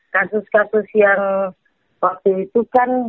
kasus kasus yang waktu itu kan